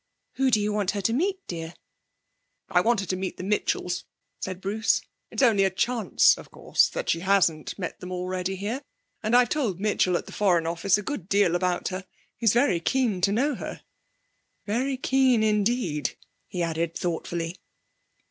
'Who do you want her to meet, dear?' 'I want her to meet the Mitchells,' said Bruce. 'It's only a chance, of course, that she hasn't met them already here, and I've told Mitchell at the Foreign Office a good deal about her. He's very keen to know her. Very keen indeed,' he added thoughtfully.